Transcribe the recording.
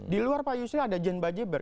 di luar pak yusril ada jan bajeber